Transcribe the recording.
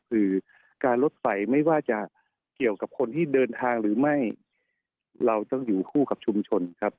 คือการลดไฟไม่ว่าจะเกี่ยวกับคนที่เดินทางหรือไม่เราต้องอยู่คู่กับชุมชนครับ